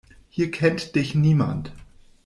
Hier kennt dich niemand.